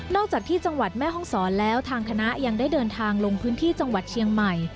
จากที่จังหวัดแม่ห้องศรแล้วทางคณะยังได้เดินทางลงพื้นที่จังหวัดเชียงใหม่